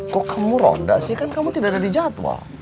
kok kamu ronda sih kan kamu tidak ada di jadwal